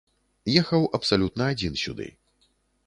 Ехаў абсалютна адзін сюды.